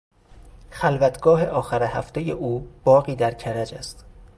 خلوتگاه آخر هفتهی او باغی در کرج است.